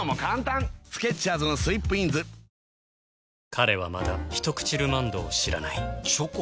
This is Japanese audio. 彼はまだ「ひとくちルマンド」を知らないチョコ？